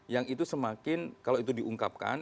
yang itu semakin kalau itu diungkapkan